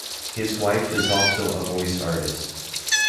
His wife is also a voice artist.